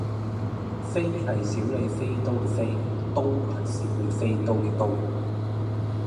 飛係小李飛刀嘅飛，刀係小李飛刀嘅刀